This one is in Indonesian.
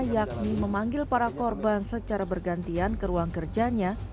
yakni memanggil para korban secara bergantian ke ruang kerjanya